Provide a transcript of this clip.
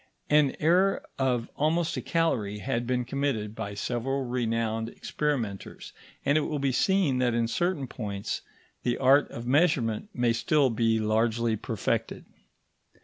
An error of almost a calorie had been committed by several renowned experimenters, and it will be seen that in certain points the art of measurement may still be largely perfected.